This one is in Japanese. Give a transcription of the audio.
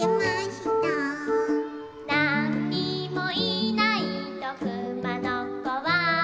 「なんにもいないとくまのこは」